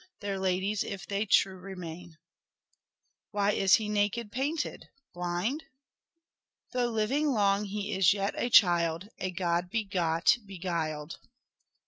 Their ladies if they true remain. Why is he naked painted ? Blind ?Though living long he is yet a child, A god begot beguiled.